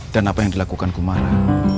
dan apa yang dilakukan kumara